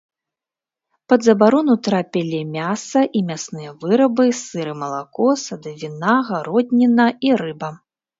Пад забарону трапілі мяса і мясныя вырабы, сыр і малако, садавіна, гародніна і рыба.